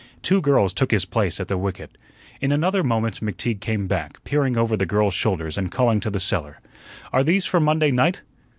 Two girls took his place at the wicket. In another moment McTeague came back, peering over the girls' shoulders and calling to the seller: "Are these for Monday night?"